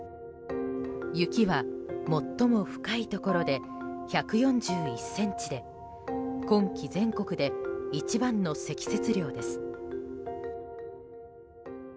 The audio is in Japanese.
雪は、最も深いところで１４１ｃｍで今季、全国で一番の積雪量です。